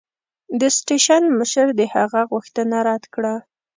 د سټېشن مشر د هغه غوښتنه رد کړه.